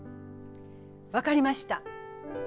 分かりました。